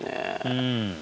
うん。